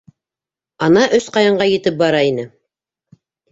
— Ана, Өсҡайынға етеп бара ине.